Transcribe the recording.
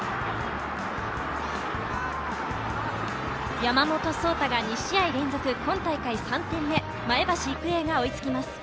山本颯太が２試合連続、今大会３回目、前橋育英が追いつきます。